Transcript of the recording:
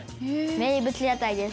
名物屋台です。